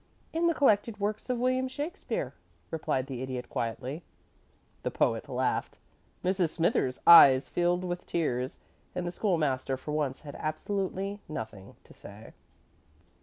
"In the collected works of William Shakespeare," replied the Idiot, quietly. The Poet laughed; Mrs. Smithers's eyes filled with tears; and the School master for once had absolutely nothing to say.